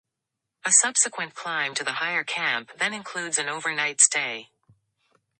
A subsequent climb to the higher camp then includes an overnight stay.